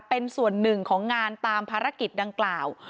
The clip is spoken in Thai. เป็นส่วนหนึ่งของงานตามภารกิจดังกล่าว